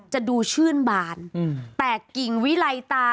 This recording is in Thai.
จะดูชื่นบานแต่กิ่งวิไลตา